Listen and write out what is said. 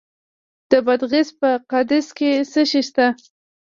د بادغیس په قادس کې څه شی شته؟